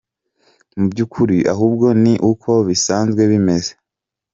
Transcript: Mu by’ukuri ahubwo ni uko bisanzwe bimeze.